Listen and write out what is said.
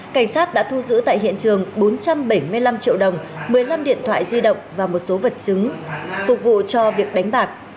cảnh sát đã thu giữ tại hiện trường bốn trăm bảy mươi năm triệu đồng một mươi năm điện thoại di động và một số vật chứng phục vụ cho việc đánh bạc